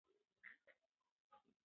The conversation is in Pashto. ملا بانګ د یو نوي هویت په لټه کې دی.